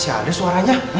masih ada suaranya